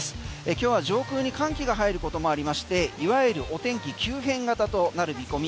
今日は上空に寒気が入ることもありましていわゆるお天気急変型となる見込み。